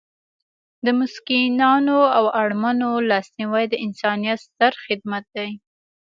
د مسکینانو او اړمنو لاسنیوی د انسانیت ستر خدمت دی.